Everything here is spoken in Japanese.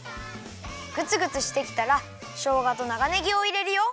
グツグツしてきたらしょうがと長ねぎをいれるよ。